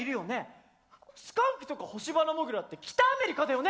スカンクとかホシバナモグラって北アメリカだよね？